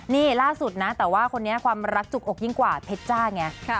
นี่ล่าสุดนะแต่ว่าคนนี้ความรักจุกอกยิ่งกว่าเพชรจ้าไง